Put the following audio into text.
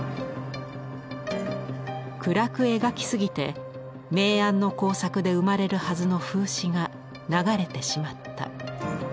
「暗く描きすぎて明暗の交錯で生まれるはずの風刺が流れてしまった」。